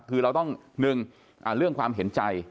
คือเราต้องหนึ่งเรื่องความเห็นใจ